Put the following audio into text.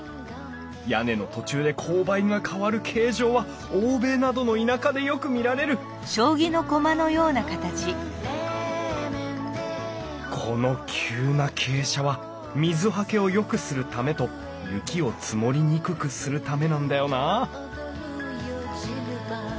屋根の途中で勾配が変わる形状は欧米などの田舎でよく見られるこの急な傾斜は水はけをよくするためと雪を積もりにくくするためなんだよなあ